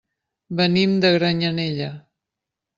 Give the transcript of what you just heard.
Venim de Granyanella.